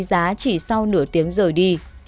giá chỉ sau nửa tiếng rời đi